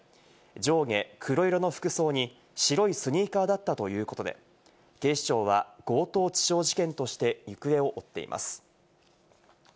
上下黒色の服装に白いスニーカーだったということで、警視庁は強盗致傷事件として行方を追っています。